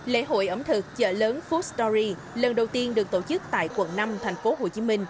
lễ hội ẩm thực chợ lớn food story lần đầu tiên được tổ chức tại quận năm tp hcm